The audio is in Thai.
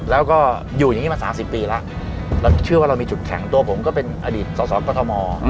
แล้วก็อยู่อย่างนี้มา๓๐ปีแล้วเราเชื่อว่าเรามีจุดแข็งตัวผมก็เป็นอดีตสอสอกรทม